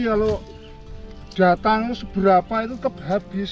kalau datang seberapa itu tetap habis